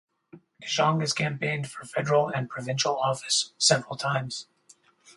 De Jong has campaigned for federal and provincial office several times.